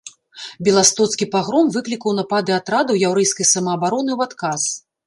Беластоцкі пагром выклікаў напады атрадаў яўрэйскай самаабароны ў адказ.